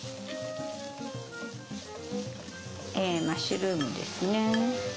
マッシュルームですね。